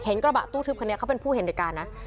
กระบะตู้ทึบคันนี้เขาเป็นผู้เห็นเหตุการณ์นะ